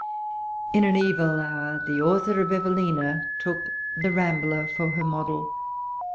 In an evil hour the author of Evelina took The Rambler for her model.